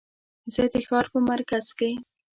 زه د ښار په مرکز کې